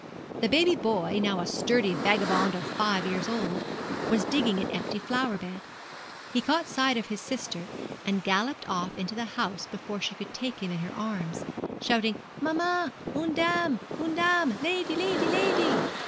The baby boy, now a sturdy vagabond of five years old, was digging an empty flower bed. He caught sight of his sister, and galloped off into the house before she could take him in her arms, shouting, 'Maman, une dame une dame! lady, lady, lady!'